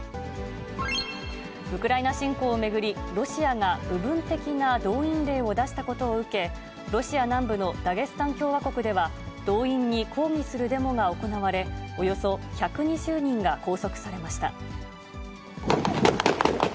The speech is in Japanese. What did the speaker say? ウクライナ侵攻を巡り、ロシアが部分的な動員令を出したことを受け、ロシア南部のダゲスタン共和国では、動員に抗議するデモが行われ、およそ１２０人が拘束されました。